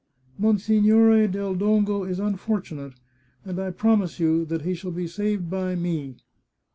" Monsignore del Dongo is unfortunate, and I promise you that he shall be saved by me."